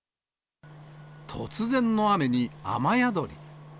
突然の雨に、雨宿り。